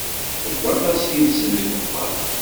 Deg waṭas yid-sen deg uxxam.